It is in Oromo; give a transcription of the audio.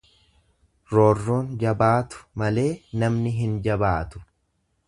Roorroon jabaatu malee namni hin jabaatu.